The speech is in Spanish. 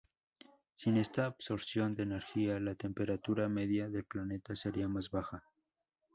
Sin esta absorción de energía la temperatura media del planeta sería más baja.